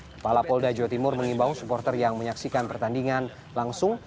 kepala polda jawa timur mengimbau supporter yang menyaksikan pertandingan langsung